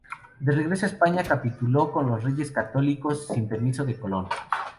De regreso a España, capituló con los Reyes Católicos sin permiso de Colón.